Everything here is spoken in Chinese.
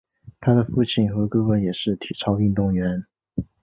她的父亲和哥哥也都是体操运动员。